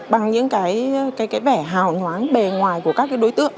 bằng những vẻ hào nhoáng bề ngoài của các đối tượng